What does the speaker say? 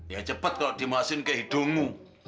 ya cepet kalau dimasukin ke hidungmu